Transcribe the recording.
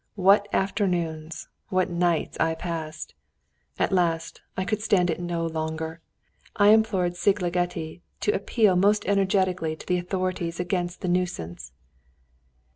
What afternoons, what nights I passed! At last I could stand it no longer, and I implored Szigligeti to appeal most energetically to the authorities against the nuisance.